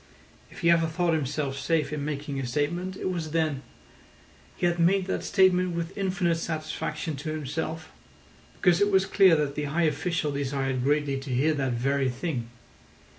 If he ever thought himself safe in making a statement, it was then. He had made that statement with infinite satisfaction to himself, because it was clear that the high official desired greatly to hear that very thing.